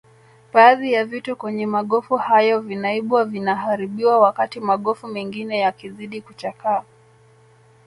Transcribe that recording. Baadhi ya vitu kwenye magofu hayo vinaibwa vinaharibiwa wakati magofu mengine yakizidi kuchakaa